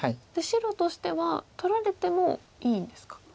白としては取られてもいいんですか。